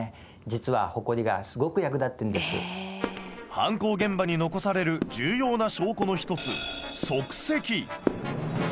犯行現場に残される重要な証拠の一つ足跡。